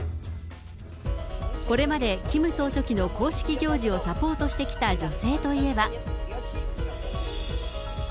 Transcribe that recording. これまでキム総書記の公式行事をサポートしてきた女性といえば。